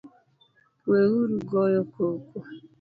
Weuru goyo koko